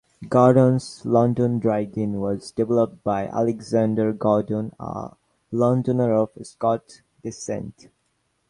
Gordon's London Dry Gin was developed by Alexander Gordon, a Londoner of Scots descent.